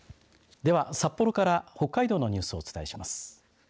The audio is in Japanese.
では、札幌から北海道のニュースをお伝えします。